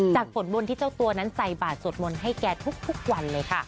ผลบุญที่เจ้าตัวนั้นใส่บาทสวดมนต์ให้แกทุกวันเลยค่ะ